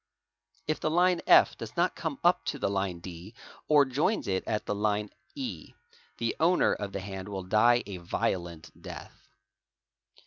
If the lin F does not come up to the line D, or joins it at the line EH, the owner the hand will die a violent death.